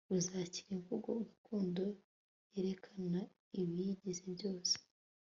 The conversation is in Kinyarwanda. Uzakira imvugo gakondo yerekana ibiyigize byose